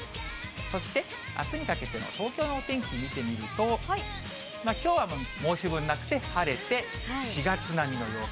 そして、あすにかけての東京のお天気見てみると、きょうは申し分なくて、晴れて、４月並みの陽気。